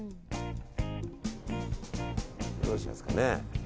どうしますかね。